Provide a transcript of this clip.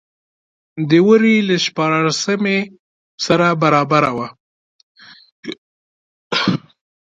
د وري له شپاړلسمې سره برابره وه.